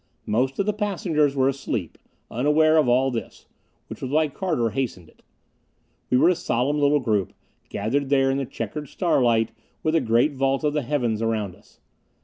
Most of the passengers were asleep, unaware of all this which was why Carter hastened it. We were a solemn little group, gathered there in the checkered starlight with the great vault of the heavens around us.